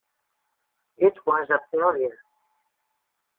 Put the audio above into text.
It was a failure.